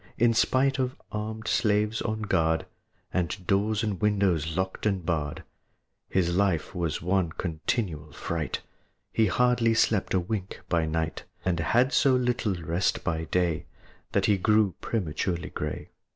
In spite of armèd slaves on guard, And doors and windows locked and barred, His life was one continual fright; He hardly slept a wink by night, And had so little rest by day That he grew prematurely gray.